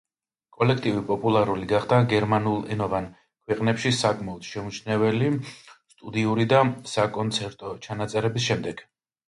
კოლექტივი პოპულარული გახდა გერმანულენოვან ქვეყნებში საკმაოდ შეუმჩნეველი სტუდიური და საკონცერტო ჩანაწერების შემდეგ.